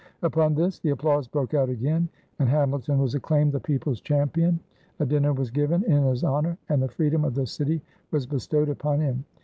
Upon this the applause broke out again, and Hamilton was acclaimed the people's champion. A dinner was given in his honor and the freedom of the city was bestowed upon him.